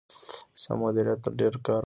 سم مديريت تر ډېر کار غوره دی.